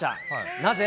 なぜ？